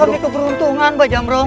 berilah kami keberuntungan mbak jamrong